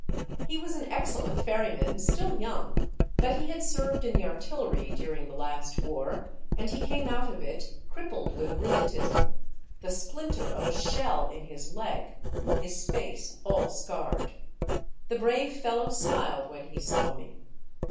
He was an excel lent ferryman, still young, but he had served in the artillery during the last war, and he came out of it crippled with rheumatism, the splinter of a shell in his leg, his face all scarred. The brave fellow smiled when he saw me.